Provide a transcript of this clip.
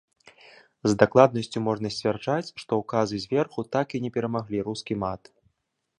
З дакладнасцю можна сцвярджаць, што ўказы зверху так і не перамаглі рускі мат.